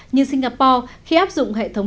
nhưng singapore khi áp dụng hệ thống